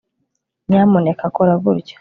nyamuneka kora gutya